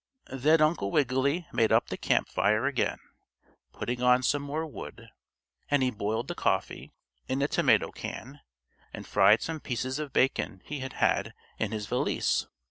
Then Uncle Wiggily made up the camp fire again, putting on some more wood, and he boiled the coffee, in a tomato can, and fried some pieces of bacon he had in his valise.